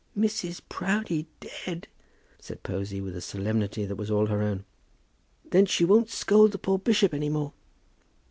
"Mrs. Proudie dead!" said Posy, with a solemnity that was all her own. "Then she won't scold the poor bishop any more."